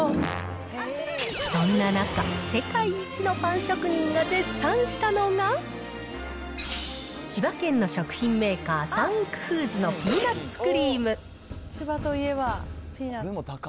そんな中、世界一のパン職人が絶賛したのが、千葉県の食品メーカー、三育フーズのピーナッツクリーム。